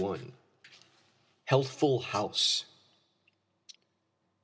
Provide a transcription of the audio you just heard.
HEALTHFUL HOUSE.